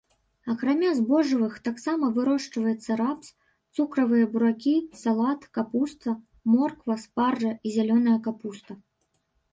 Акрамя збожжавых таксама вырошчваецца рапс, цукровыя буракі, салат, капуста, морква, спаржа і зялёная капуста.